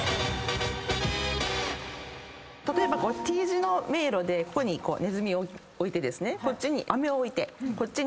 例えばＴ字の迷路でここにネズミを置いてこっちにアメを置いてこっちに電気ショックを置きます。